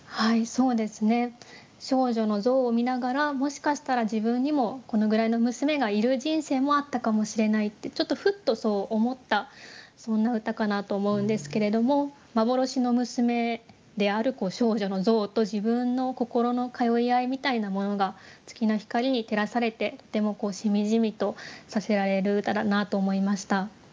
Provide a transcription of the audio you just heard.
「少女の像」を見ながらもしかしたら自分にもこのぐらいの娘がいる人生もあったかもしれないってちょっとふっとそう思ったそんな歌かなと思うんですけれども幻の娘である「少女の像」と自分の心の通い合いみたいなものが月の光に照らされてとてもしみじみとさせられる歌だなと思いました。